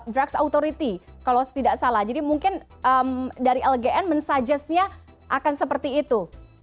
drugs authority kalau tidak salah jadi mungkin dari lbn mensajisnya akan seperti itu